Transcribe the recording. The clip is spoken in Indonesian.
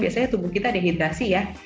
biasanya tubuh kita dehidrasi ya